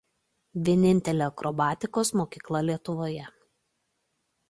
Vienintelė akrobatikos mokykla Lietuvoje.